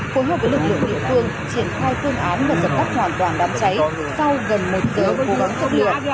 phối hợp với lực lượng địa phương triển khai phương án và dập tắt hoàn toàn đám cháy sau gần một giờ cố gắng thất lượng